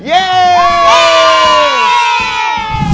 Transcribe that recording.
คนอื่นรู้ว่าเราก็ทำได้นะครับเอาล่ะค่ะ